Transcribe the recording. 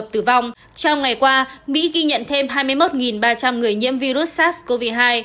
trong ngày qua mỹ ghi nhận thêm hai mươi một ba trăm linh người nhiễm virus sars cov hai